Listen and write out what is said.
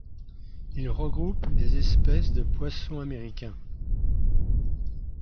Il regroupe des espèces de poissons américains.